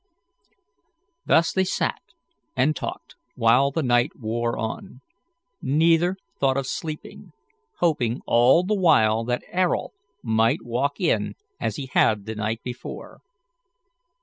Thus they sat and talked while the night wore on. Neither thought of sleeping, hoping all the while that Ayrault might walk in as he had the night before.